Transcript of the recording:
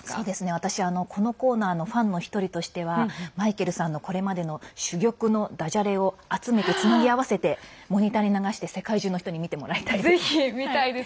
私、このコーナーのファンの１人としてはマイケルさんの、これまでの珠玉のだじゃれを集めてつなぎ合わせてモニターに流して世界中の人に見てもらいたいです。